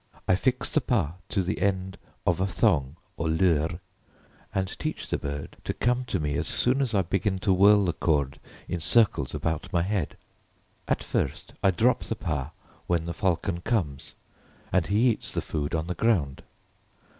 I fix the pât to the end of a thong, or leurre, and teach the bird to come to me as soon as I begin to whirl the cord in circles about my head. At first I drop the pât when the falcon comes, and he eats the food on the ground.